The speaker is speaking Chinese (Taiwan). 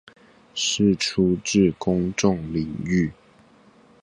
釋出至公眾領域